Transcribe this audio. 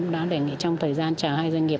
đã đề nghị trong thời gian chờ hai doanh nghiệp